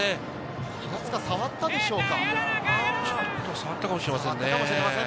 平塚、触ったでしょうか？